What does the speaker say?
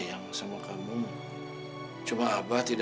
asmat yang ngerti